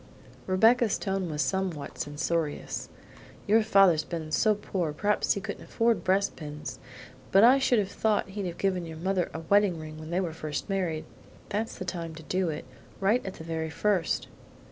Rebecca's tone was somewhat censorious, "your father's been so poor perhaps he couldn't afford breast pins, but I should have thought he'd have given your mother a wedding ring when they were married; that's the time to do it, right at the very first."